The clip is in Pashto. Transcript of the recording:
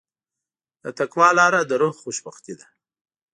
د تقوی لاره د روح خوشبختي ده.